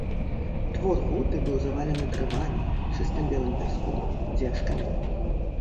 Двор гуты быў завалены дрывамі, чыстым белым пяском, дзежкамі.